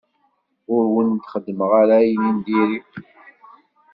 Ur wen-xeddmeɣ ara ayen n diri.